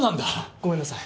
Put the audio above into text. ごめんなさい。